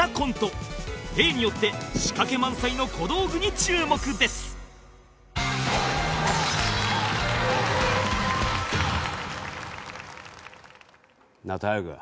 例によって仕掛け満載の小道具に注目ですなあ。